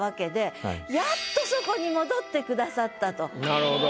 なるほど。